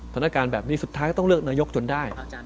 สถานการณ์แบบนี้สุดท้ายก็ต้องเลือกนายกจนได้